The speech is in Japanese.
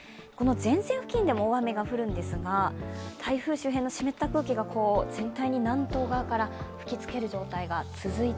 前線付近でも大雨が降るんですが、台風周辺の湿った空気が全体に南東側から吹き付けている状況です。